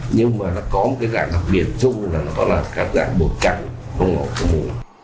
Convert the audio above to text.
nhưng mà nó có một cái dạng đặc biệt chung là nó có là các dạng bột chặn không ngổ không ngủ